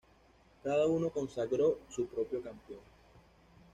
Cada uno consagró su propio campeón.